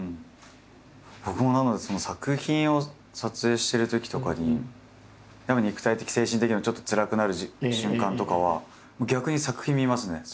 僕もなので作品を撮影してるときとかにやっぱ肉体的精神的にもちょっとつらくなる瞬間とかはもう逆に作品見ますね。